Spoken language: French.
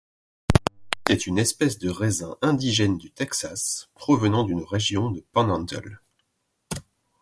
C'est une espèce de raisins indigène du Texas, provenant d'une région de Panhandle.